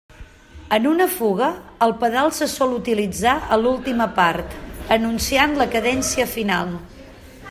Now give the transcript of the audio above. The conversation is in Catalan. En una fuga, el pedal se sol utilitzar a l'última part, anunciant la cadència final.